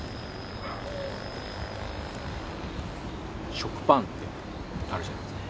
食パンってあるじゃないですか。